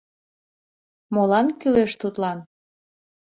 — Молан кӱлеш тудлан?